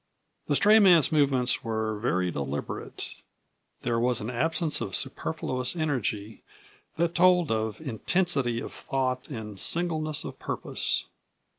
The stray man's movements were very deliberate; there was an absence of superfluous energy that told of intensity of thought and singleness of purpose.